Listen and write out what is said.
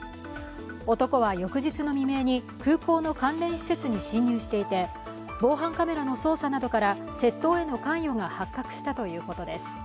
男は翌日の未明に空港の関連施設に侵入していて防犯カメラの捜査などから窃盗への関与が発覚したということです。